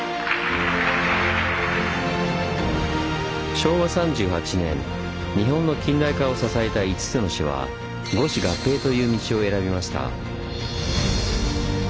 昭和３８年日本の近代化を支えた５つの市は五市合併という道を選びました。